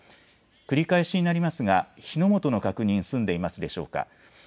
繰り返しになりますが火の元の確認、済んでいますでしょうか。